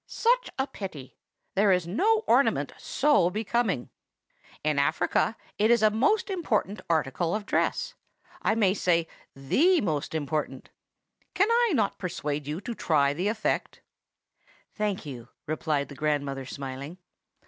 Such a pity! There is no ornament so becoming. In Africa it is a most important article of dress,—I may say the most important. Can I not persuade you to try the effect?" "Thank you," replied the grandmother, smiling.